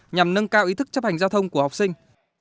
nhằm nâng cao ý thức chấp hành giao thông của học sinh